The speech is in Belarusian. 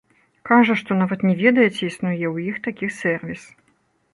Кажа, што нават не ведае, ці існуе ў іх такі сэрвіс.